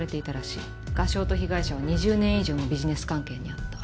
画商と被害者は２０年以上もビジネス関係にあった。